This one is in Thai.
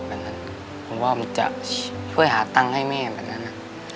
ผมว่ามันจะช่วยหาตังค์ให้แม่แบบนั้น